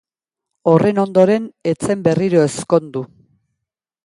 Horren ondoren ez zen berriro ezkondu.